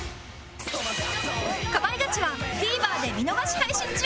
『かまいガチ』は ＴＶｅｒ で見逃し配信中